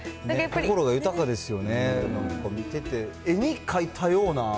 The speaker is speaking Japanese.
心が豊かですよね、なんか見てて、絵に描いたような。